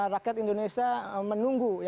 rakyat indonesia menunggu